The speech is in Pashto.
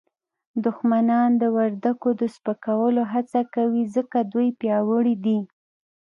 دښمنان د وردګو د سپکولو هڅه کوي ځکه دوی پیاوړي دي